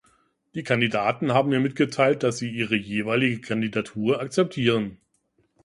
Die Kandidaten haben mir mitgeteilt, dass sie ihre jeweilige Kandidatur akzeptieren.